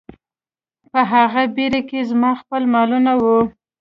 په هغه بیړۍ کې زما خپل مالونه وو.